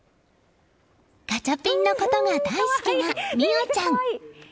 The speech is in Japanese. ガチャピンのことが大好きな澪ちゃん。